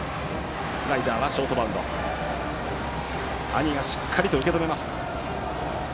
兄がしっかりとボールを受け止めます。